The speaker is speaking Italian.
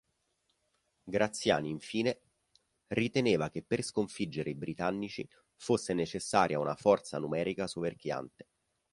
Graziani infine riteneva che per sconfiggere i britannici fosse necessaria una forza numerica soverchiante.